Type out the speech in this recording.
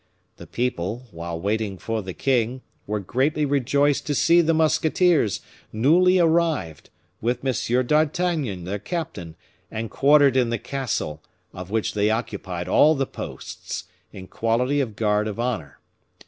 The people, while waiting for the king, were greatly rejoiced to see the musketeers, newly arrived, with Monsieur d'Artagnan, their captain, and quartered in the castle, of which they occupied all the posts, in quality of guard of honor.